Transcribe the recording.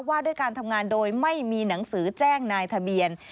ว่าด้วยการทำงานโดยไม่มีหนังสือแจ้งนายทะเบียน